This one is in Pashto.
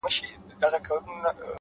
علم د انسان دننه ځواک راویښوي’